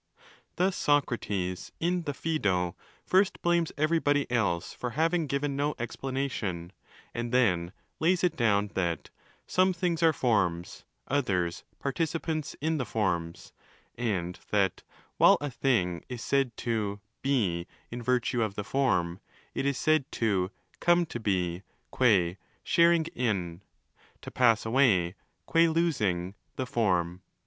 Thus Sokrates in the Phaedo first blarnes everybody else for having given no explanation ;1 and then lays it down that 'some things are Forms, others Participants in the Forms', and that 'while a thing is said to "be" in virtue of the Form, it is said to "come to be" gua "sharing in", to " pass away " gua "losing", the Form'.